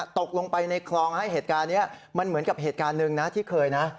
ตกลงไปในคลองมันเหมือนกับเหตุการณ์หนึ่งที่เคยนะ